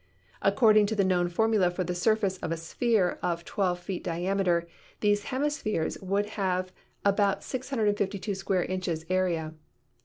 According to the known formula for the surface of a sphere of 12 feet diameter, these hemispheres would have about 652 square inches area.